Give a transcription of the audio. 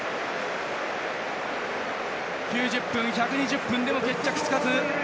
９０分、１２０分でも決着つかず。